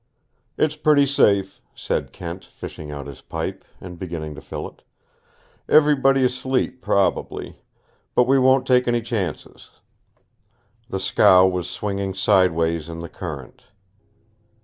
"It's pretty safe," said Kent, fishing out his pipe, and beginning to fill it. "Everybody asleep, probably. But we won't take any chances." The scow was swinging sideways in the current.